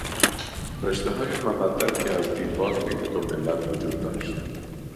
رشتههای مودت که از دیرباز بین دو ملت وجود داشت.